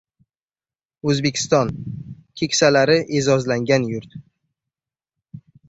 O‘zbekiston – keksalari e’zozlangan yurt